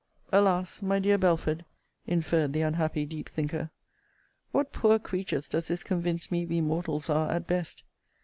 Alas! my dear Belford [inferred the unhappy deep thinker] what poor creatures does this convince me we mortals are at best!